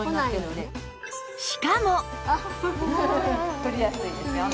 振りやすいですよね。